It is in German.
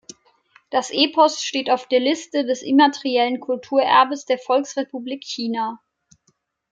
Das Epos steht auf der Liste des immateriellen Kulturerbes der Volksrepublik China.